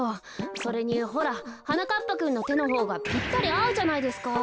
それにほらはなかっぱくんのてのほうがぴったりあうじゃないですか。